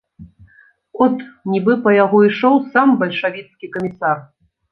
От, нібы па яго ішоў сам бальшавіцкі камісар.